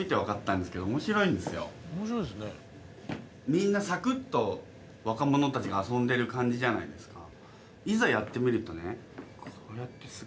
みんなサクッと若者たちが遊んでる感じじゃないですか。